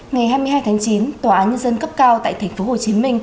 ngày hai mươi hai tháng chín tòa án nhân dân cấp cao tại tp hcm